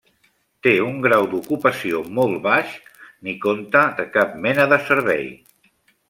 Té un grau d'ocupació molt baix, ni conta de cap mena de servei.